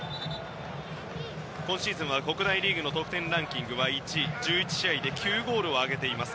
今シーズンは国内リーグの得点ランキングは１位１１試合で９ゴールを挙げています。